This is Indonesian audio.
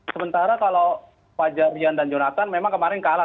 sementara kalau fajar rian dan jonathan memang kemarin kalah